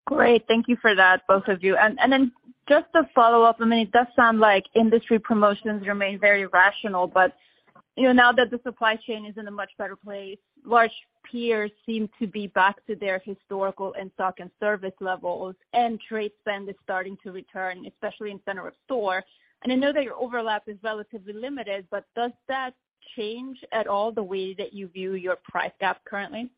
Great. Thank you for that, both of you. Then just a follow-up, I mean, it does sound like industry promotions remain very rational, but, you know, now that the supply chain is in a much better place, large peers seem to be back to their historical in-stock and service levels, and trade spend is starting to return, especially in center of store. I know that your overlap is relatively limited, but does that change at all the way that you view your price gap currently?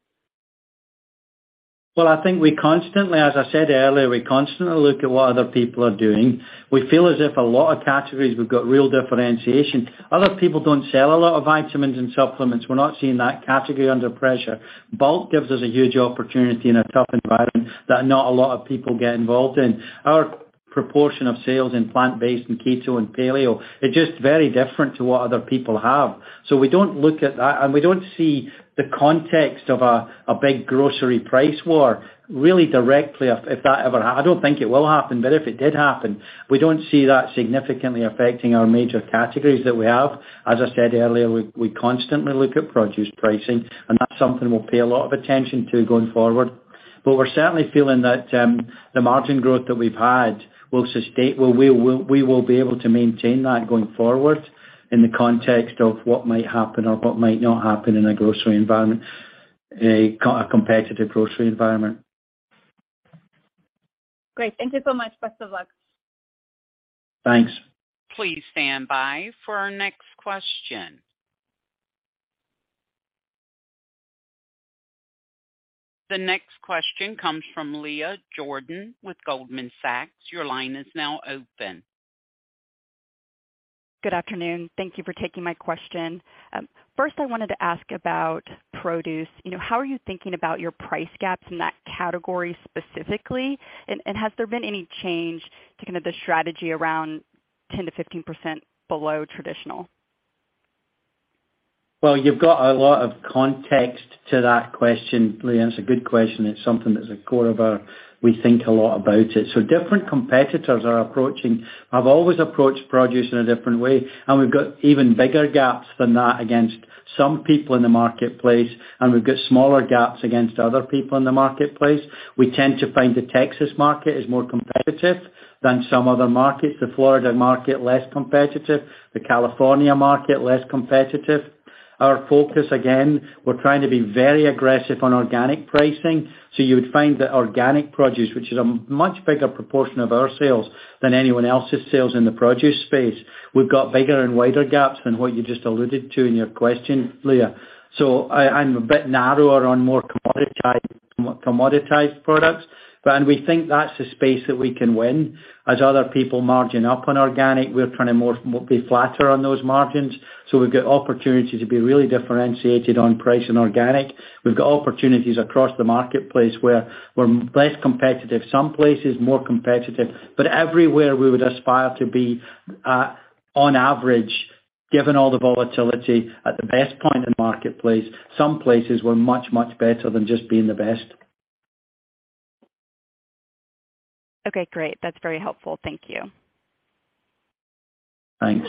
Well, I think we constantly, as I said earlier, we constantly look at what other people are doing. We feel as if a lot of categories we've got real differentiation. Other people don't sell a lot of vitamins and supplements. We're not seeing that category under pressure. Bulk gives us a huge opportunity in a tough environment that not a lot of people get involved in. Our proportion of sales in plant-based and keto and paleo is just very different to what other people have. We don't look at that, and we don't see the context of a big grocery price war really directly if that ever I don't think it will happen, but if it did happen, we don't see that significantly affecting our major categories that we have. I said earlier, we constantly look at produce pricing, and that's something we'll pay a lot of attention to going forward. We're certainly feeling that, the margin growth that we've had will we will be able to maintain that going forward in the context of what might happen or what might not happen in a grocery environment, a competitive grocery environment. Great. Thank you so much. Best of luck. Thanks. Please stand by for our next question. The next question comes from Leah Jordan with Goldman Sachs. Your line is now open. Good afternoon. Thank you for taking my question. First, I wanted to ask about produce. You know, how are you thinking about your price gaps in that category specifically? Has there been any change to kind of the strategy around 10%-15% below traditional? You've got a lot of context to that question, Leah. It's a good question. It's something we think a lot about it. Different competitors have always approached produce in a different way, and we've got even bigger gaps than that against some people in the marketplace, and we've got smaller gaps against other people in the marketplace. We tend to find the Texas market is more competitive than some other markets, the Florida market less competitive, the California market less competitive. Our focus, again, we're trying to be very aggressive on organic pricing. You would find that organic produce, which is a much bigger proportion of our sales than anyone else's sales in the produce space. We've got bigger and wider gaps than what you just alluded to in your question, Leah. I'm a bit narrower on more commoditized products, and we think that's the space that we can win. As other people margin up on organic, we're trying to more be flatter on those margins. We've got opportunity to be really differentiated on price and organic. We've got opportunities across the marketplace where we're less competitive, some places more competitive, but everywhere we would aspire to be on average, given all the volatility at the best point in the marketplace, some places we're much better than just being the best. Okay, great. That's very helpful. Thank you. Thanks.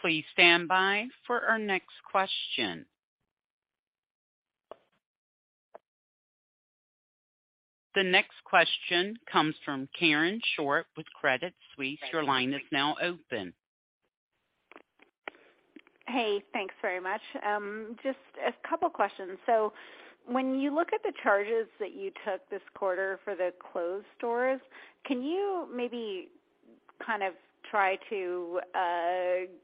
Please stand by for our next question. The next question comes from Karen Short with Credit Suisse. Your line is now open. Hey, thanks very much. Just a couple questions. When you look at the charges that you took this quarter for the closed stores, can you maybe Kind of try to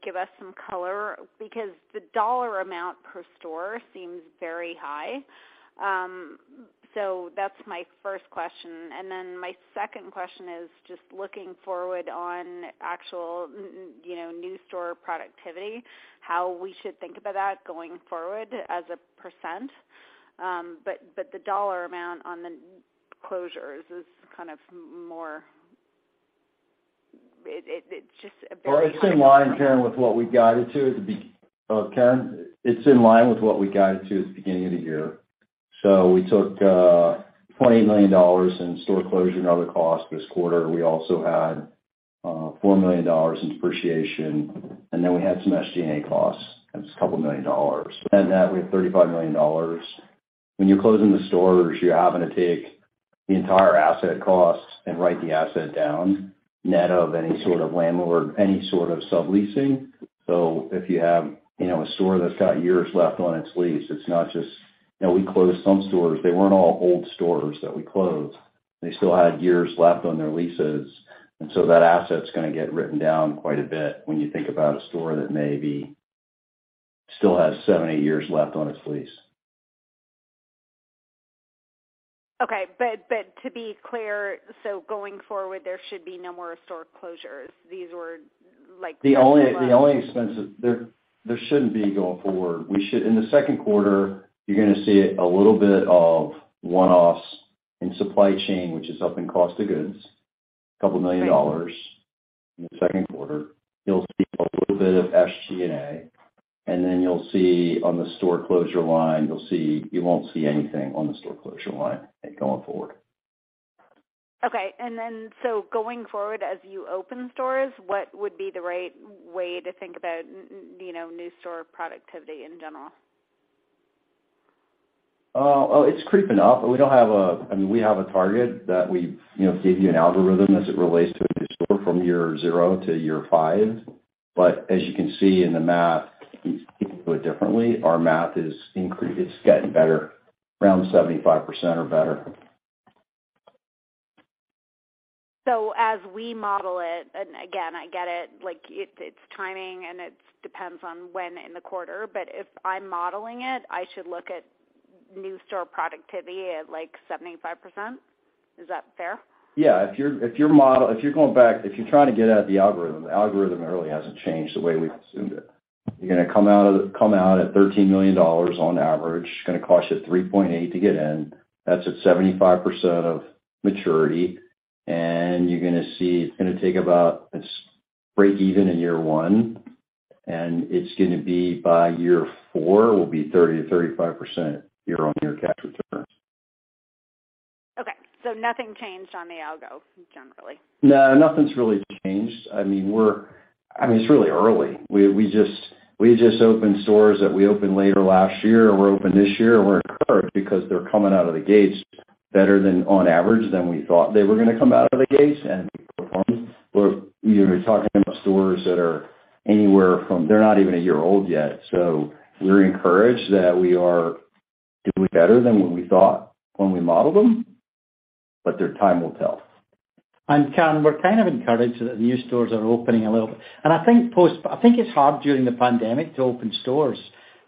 give us some color because the dollar amount per store seems very high. That's my first question. My second question is just looking forward on actual, you know, new store productivity, how we should think about that going forward as a percent. The dollar amount on the closures is kind of more... It's just a very- Well, it's in line, Karen Short, with what we guided to at the beginning of the year. We took $20 million in store closure and other costs this quarter. We also had $4 million in depreciation. We had some SG&A costs, it's couple million dollars. That we have $35 million. When you're closing the stores, you're having to take the entire asset costs and write the asset down net of any sort of landlord, any sort of subleasing. If you have, you know, a store that's got years left on its lease, it's not just... You know, we closed some stores. They weren't all old stores that we closed. They still had years left on their leases. That asset is gonna get written down quite a bit when you think about a store that maybe still has seven, eight years left on its lease. Okay. But to be clear, going forward, there should be no more store closures. These were, like- The only expense. There shouldn't be going forward. In the second quarter, you're gonna see a little bit of one-offs in supply chain, which is up in cost of goods, a couple of million dollars in the second quarter. You'll see a little bit of SG&A. You won't see anything on the store closure line going forward. Okay. Going forward, as you open stores, what would be the right way to think about you know, new store productivity in general? It's creeping up, but we don't have a... I mean, we have a target that we, you know, gave you an algorithm as it relates to a new store from year zero to year five. As you can see in the math, even though differently, our math is increased. It's getting better, around 75% or better. As we model it, and again, I get it, like, it's timing and it depends on when in the quarter, but if I'm modeling it, I should look at new store productivity at, like, 75%. Is that fair? Yeah. If your model, if you're going back, if you're trying to get at the algorithm, the algorithm really hasn't changed the way we assumed it. You're gonna come out at $13 million on average. It's gonna cost you $3.8 million to get in. That's at 75% of maturity. You're gonna see it's gonna take about. It's break even in year one, and it's gonna be by year four, will be 30%-35% year-over-year cash returns. Okay. nothing changed on the algo, generally? Nothing's really changed. I mean, it's really early. We just opened stores that we opened later last year or were opened this year. We're encouraged because they're coming out of the gates better than on average than we thought they were gonna come out of the gates and perform. We're, you know, talking about stores that are anywhere from... They're not even a year old yet. We're encouraged that we are doing better than what we thought when we modeled them. Their time will tell. Karen, we're kind of encouraged that new stores are opening a little bit. I think it's hard during the pandemic to open stores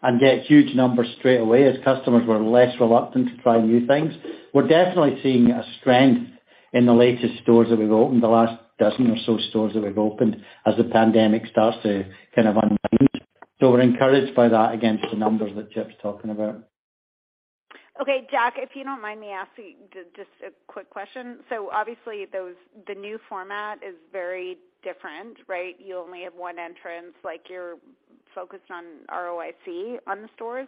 and get huge numbers straight away as customers were less reluctant to try new things. We're definitely seeing a strength in the latest stores that we've opened, the last dozen or so stores that we've opened as the pandemic starts to kind of unwind. We're encouraged by that against the numbers that Chip's talking about. Okay, Jack, if you don't mind me asking just a quick question. Obviously the new format is very different, right? You only have one entrance, like, you're focused on ROIC on the stores.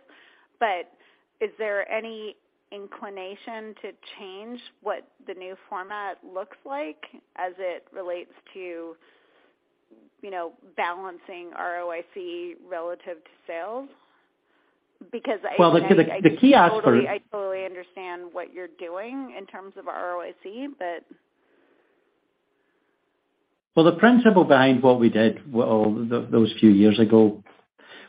Is there any inclination to change what the new format looks like as it relates to, you know, balancing ROIC relative to sales? Well, the key ask. I totally understand what you're doing in terms of ROIC, but... Well, the principle behind what we did well, those few years ago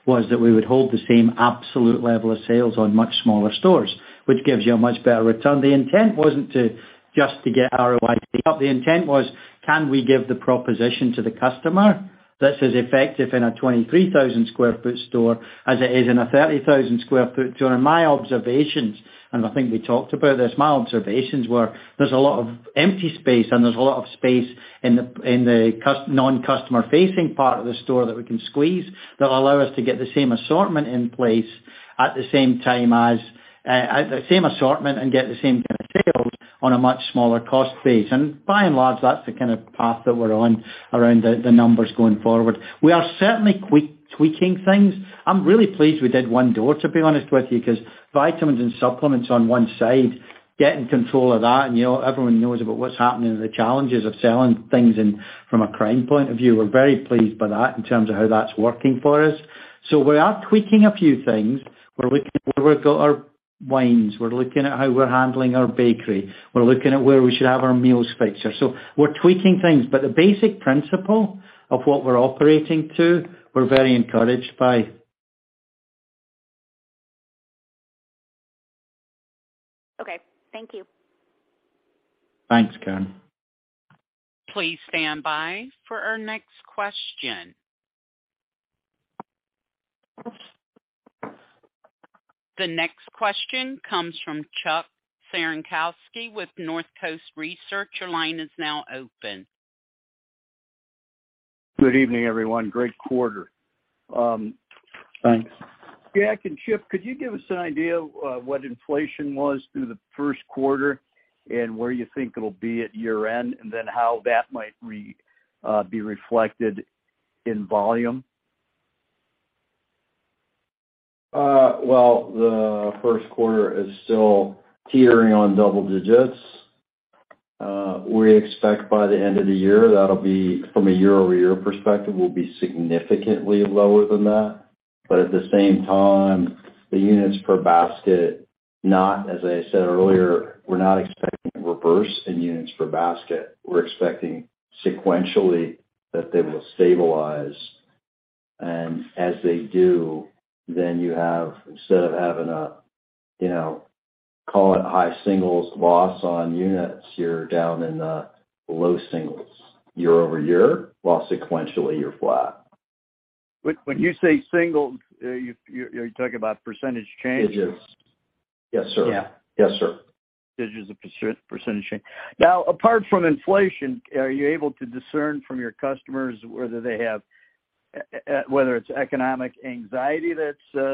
was that we would hold the same absolute level of sales on much smaller stores, which gives you a much better return. The intent wasn't to just to get ROIC up. The intent was, can we give the proposition to the customer that's as effective in a 23,000 sq ft store as it is in a 30,000 sq ft? During my observations, and I think we talked about this, my observations were there's a lot of empty space, and there's a lot of space in the non-customer facing part of the store that we can squeeze that allow us to get the same assortment in place at the same time as at the same assortment and get the same kind of sales on a much smaller cost base. By and large, that's the kind of path that we're on around the numbers going forward. We are certainly tweaking things. I'm really pleased we did one door, to be honest with you, 'cause vitamins and supplements on one side, getting control of that, and, you know, everyone knows about what's happening and the challenges of selling things in from a crime point of view. We're very pleased by that in terms of how that's working for us. We are tweaking a few things. We're looking at where we've got our wines. We're looking at how we're handling our bakery. We're looking at where we should have our meals featured. We're tweaking things, but the basic principle of what we're operating to, we're very encouraged by. Okay. Thank you. Thanks, Karen. Please stand by for our next question. The next question comes from Chuck Cerankosky with Northcoast Research. Your line is now open. Good evening, everyone. Great quarter. Thanks. Jack and Chip, could you give us an idea of what inflation was through the first quarter and where you think it'll be at year-end, and then how that might be reflected in volume? Well, the first quarter is still teetering on double digits. We expect by the end of the year, that'll be from a year-over-year perspective, will be significantly lower than that. At the same time, the units per basket, as I said earlier, we're not expecting reverse in units per basket. We're expecting sequentially that they will stabilize. As they do, then you have, instead of having a, you know, call it high singles loss on units, you're down in the low singles year over year, while sequentially you're flat. When you say single, you're talking about percentage changes? Digits. Yes, sir. Yeah. Yes, sir. Digits of percentage change. Apart from inflation, are you able to discern from your customers whether they have, whether it's economic anxiety that's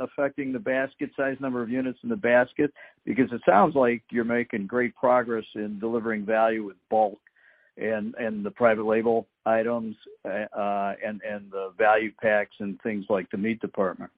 affecting the basket size, number of units in the basket? It sounds like you're making great progress in delivering value with bulk and the private label items and the value packs and things like the meat department.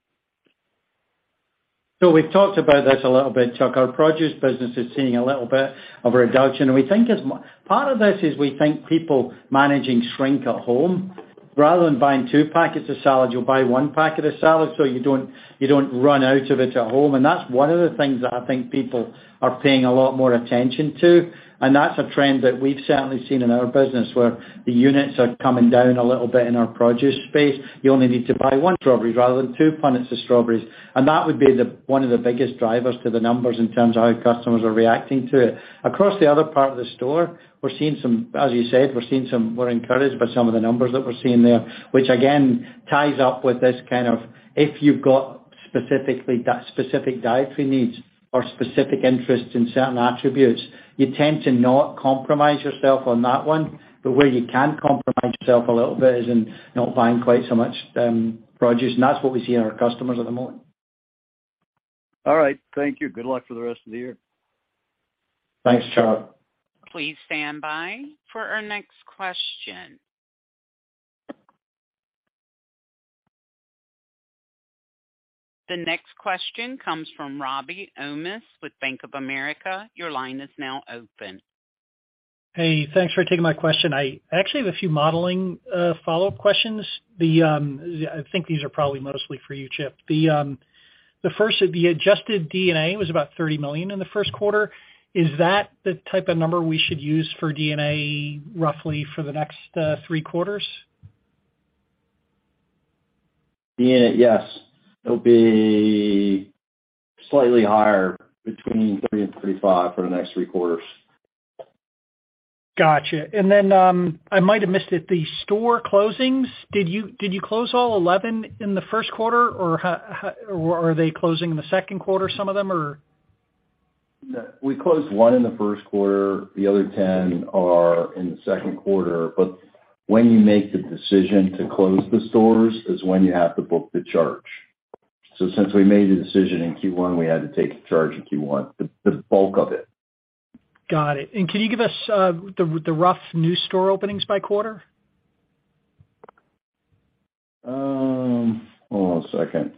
We've talked about this a little bit, Chuck. Our produce business is seeing a little bit of a reduction. We think it's Part of this is we think people managing shrink at home, rather than buying two packets of salad, you'll buy one packet of salad, so you don't run out of it at home. That's one of the things that I think people are paying a lot more attention to. That's a trend that we've certainly seen in our business, where the units are coming down a little bit in our produce space. You only need to buy one strawberry rather than two punnets of strawberries. That would be the, one of the biggest drivers to the numbers in terms of how customers are reacting to it. Across the other part of the store, we're seeing some... as you said, we're encouraged by some of the numbers that we're seeing there, which again ties up with this kind of, if you've got specifically specific dietary needs or specific interests in certain attributes, you tend to not compromise yourself on that one. Where you can compromise yourself a little bit is in not buying quite so much produce. That's what we see in our customers at the moment. All right. Thank you. Good luck for the rest of the year. Thanks, Chuck. Please stand by for our next question. The next question comes from Robbie Ohmes with Bank of America. Your line is now open. Hey, thanks for taking my question. I actually have a few modeling follow-up questions. I think these are probably mostly for you, Chip. First, the adjusted D&A was about $30 million in the first quarter. Is that the type of number we should use for D&A roughly for the next, three quarters? Yeah. Yes. It'll be slightly higher between $30 million and $35 million for the next three quarters. Gotcha. I might have missed it. The store closings, did you close all 11 in the first quarter or are they closing in the second quarter, some of them, or? No. We closed one in the first quarter. The other 10 are in the second quarter. When you make the decision to close the stores is when you have to book the charge. Since we made the decision in Q1, we had to take the charge in Q1, the bulk of it. Got it. Can you give us the rough new store openings by quarter? Hold on a second.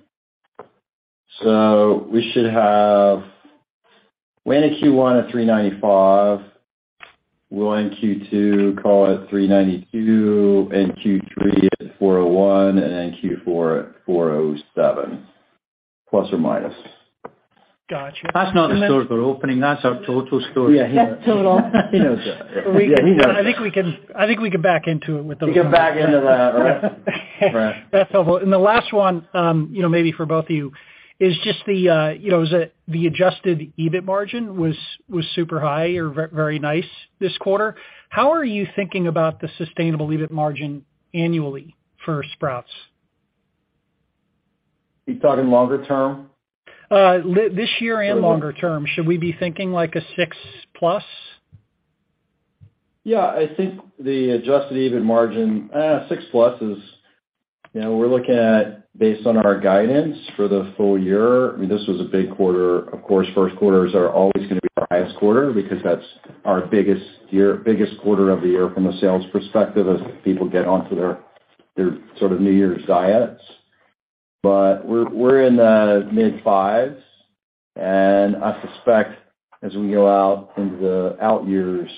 We had a Q1 at $395. We're in Q2, call it $392, in Q3 at $401, Q4 at $407±. Gotcha. That's not the stores we're opening. That's our total stores. Yeah. He knows. He knows that. I think we can back into it with those. You can back into that. Right. That's helpful. The last one, you know, maybe for both of you is just the, you know, the adjusted EBIT margin was super high or very nice this quarter. How are you thinking about the sustainable EBIT margin annually for Sprouts? You're talking longer term? this year and longer term. Should we be thinking like a 6+? Yeah. I think the adjusted EBIT margin 6+ is. You know, we're looking at based on our guidance for the full year, I mean, this was a big quarter. Of course, first quarters are always gonna be our highest quarter because that's our biggest year, biggest quarter of the year from a sales perspective as people get onto their sort of New Year's diets. We're in the mid fives. I suspect as we go out into the out years,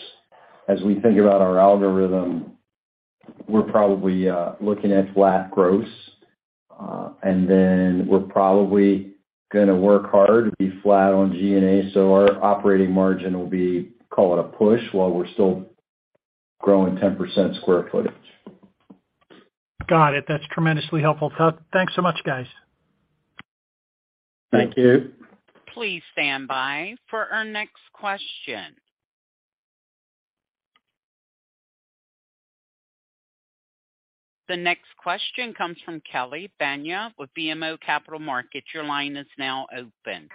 as we think about our algorithm, we're probably looking at flat gross, and then we're probably gonna work hard to be flat on G&A. Our operating margin will be, call it a push while we're still growing 10% square footage. Got it. That's tremendously helpful. Thanks so much, guys. Thank you. Please stand by for our next question. The next question comes from Kelly Bania with BMO Capital Markets. Your line is now open.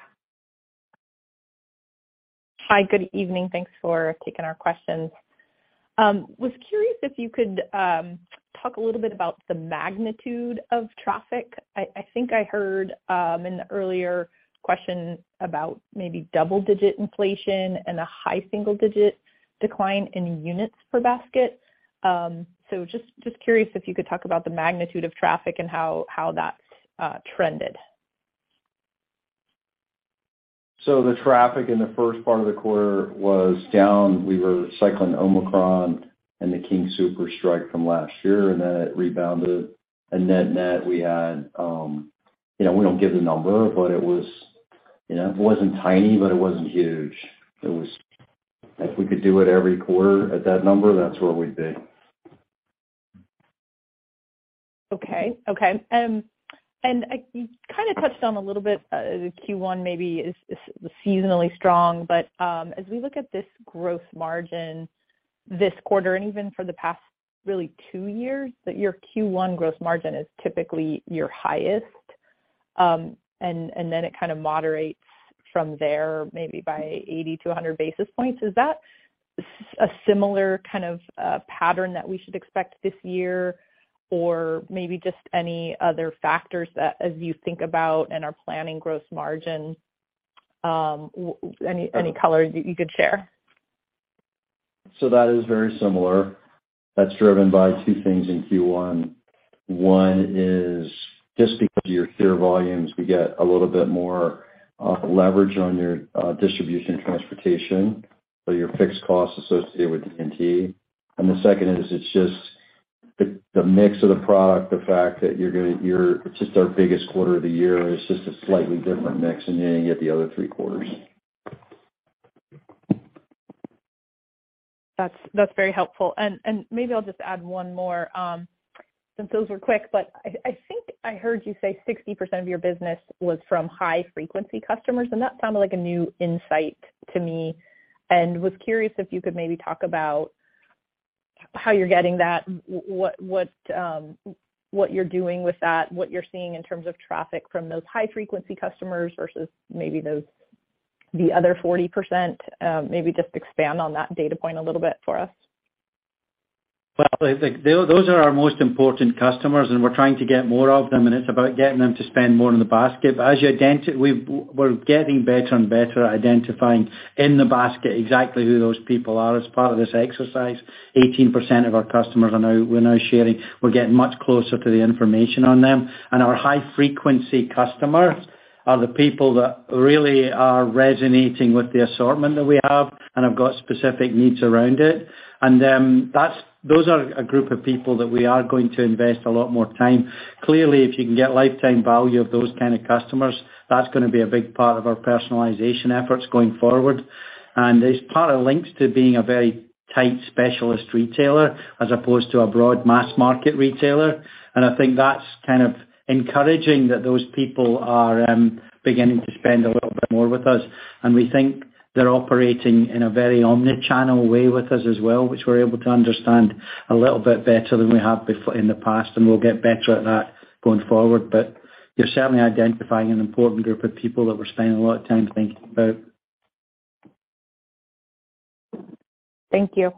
Hi. Good evening. Thanks for taking our questions. Was curious if you could talk a little bit about the magnitude of traffic. I think I heard in the earlier question about maybe double-digit inflation and a high single-digit decline in units per basket. Just curious if you could talk about the magnitude of traffic and how that trended. The traffic in the first part of the quarter was down. We were cycling Omicron and the King Soopers strike from last year, and then it rebounded. Net-net we had, you know, we don't give the number, but it was, you know, it wasn't tiny, but it wasn't huge. If we could do it every quarter at that number, that's where we'd be. Okay. Okay. You kind of touched on a little bit, the Q1 maybe is seasonally strong, but, as we look at this gross margin this quarter and even for the past really two years, that your Q1 gross margin is typically your highest. Then it kind of moderates from there maybe by 80 to 100 basis points. Is that a similar kind of, pattern that we should expect this year? Maybe just any color you could share. That is very similar. That's driven by two things in Q1. One is just because of your clear volumes, we get a little bit more leverage on your distribution transportation, so your fixed costs associated with D&T. The second is it's just the mix of the product, the fact that it's just our biggest quarter of the year. It's just a slightly different mix, and then you get the other three quarters. That's very helpful. Maybe I'll just add one more, since those were quick, but I think I heard you say 60% of your business was from high-frequency customers, and that sounded like a new insight to me and was curious if you could maybe talk about how you're getting that, what you're doing with that, what you're seeing in terms of traffic from those high-frequency customers versus maybe those, the other 40%. Maybe just expand on that data point a little bit for us. Well, those are our most important customers, and we're trying to get more of them, and it's about getting them to spend more in the basket. As you we're getting better and better at identifying in the basket exactly who those people are as part of this exercise. 18% of our customers, we're now sharing. We're getting much closer to the information on them. Our high-frequency customers are the people that really are resonating with the assortment that we have and have got specific needs around it. Those are a group of people that we are going to invest a lot more time. Clearly, if you can get lifetime value of those kind of customers, that's gonna be a big part of our personalization efforts going forward. This part of links to being a very tight specialist retailer as opposed to a broad mass market retailer. I think that's kind of encouraging that those people are beginning to spend a little bit more with us. We think they're operating in a very omnichannel way with us as well, which we're able to understand a little bit better than we have in the past, and we'll get better at that going forward. You're certainly identifying an important group of people that we're spending a lot of time thinking about. Thank you.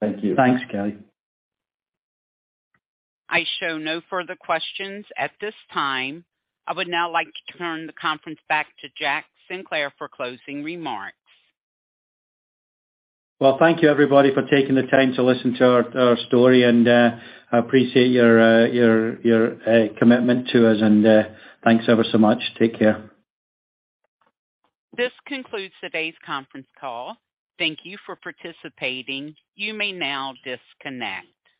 Thank you. Thanks, Kelly. I show no further questions at this time. I would now like to turn the conference back to Jack Sinclair for closing remarks. Well, thank you, everybody, for taking the time to listen to our story, and I appreciate your commitment to us. Thanks ever so much. Take care. This concludes today's conference call. Thank you for participating. You may now disconnect.